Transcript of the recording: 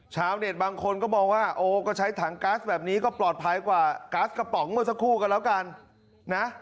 ชาวเน็ตบางคนก็มองว่าโอ้ก็ใช้ถังก๊าซแบบนี้ก็ปลอดภัยกว่าก๊าซกระป๋องเมื่อสักครู่ก็แล้วกันนะ